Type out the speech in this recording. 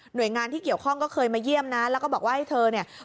โดยงานที่เกี่ยวข้องก็เคยมาเยี่ยมนะแล้วก็บอกว่าให้เธอเนี่ย